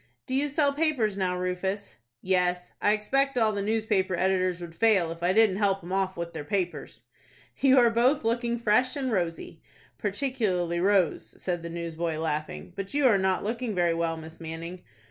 "Do you sell papers now, Rufus?" "Yes. I expect all the newspaper editors would fail if I didn't help 'em off with their papers." "You are both looking fresh and rosy." "Particularly Rose," said the newsboy, laughing. "But you are not looking very well, Miss Manning."